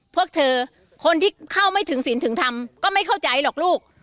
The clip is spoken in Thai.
พวกเธอคนที่เข้าไม่ถึงศีลถึงทำก็ไม่เข้าใจหรอกลูก